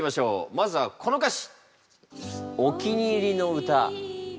まずはこの歌詞。